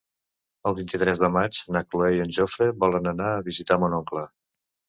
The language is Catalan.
El vint-i-tres de maig na Cloè i en Jofre volen anar a visitar mon oncle.